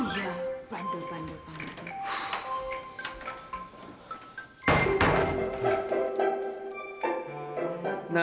iya pandu pandu pandu